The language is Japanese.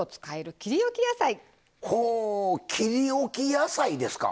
ほお「切りおき野菜」ですか？